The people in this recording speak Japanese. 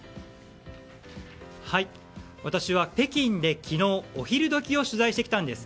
はい、私は北京で昨日お昼時を取材してきたんです。